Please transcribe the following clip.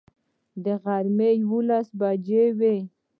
د غرمې یوولس بجې وې.